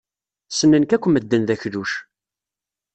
Ssnen-k akk medden d akluc.